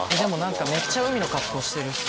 めっちゃ海の格好してる。